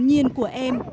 hồn nhiên của em